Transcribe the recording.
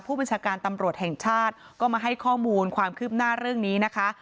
ผู้บัญชาการตำรวจแห่งชาติก็มาให้ข้อมูลความคืบหน้าเรื่องนี้นะคะ